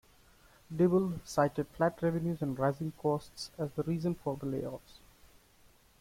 Dible cited flat revenues and rising costs as the reason for the layoffs.